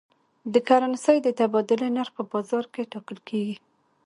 د کرنسۍ د تبادلې نرخ په بازار کې ټاکل کېږي.